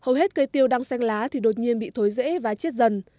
hầu hết cây tiêu đang xanh lá thì đột nhiên bị thối rễ và chết dần